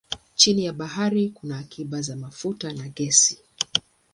Chini ya bahari kuna akiba za mafuta na gesi.